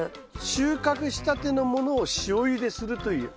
収穫したてのものを塩ゆでするという。